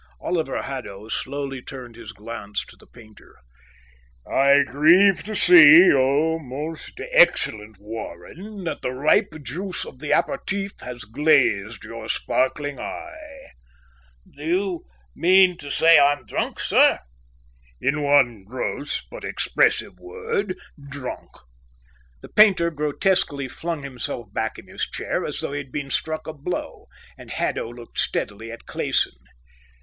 Oliver Haddo slowly turned his glance to the painter. "I grieve to see, O most excellent Warren, that the ripe juice of the aperitif has glazed your sparkling eye." "Do you mean to say I'm drunk, sir?" "In one gross, but expressive, word, drunk." The painter grotesquely flung himself back in his chair as though he had been struck a blow, and Haddo looked steadily at Clayson.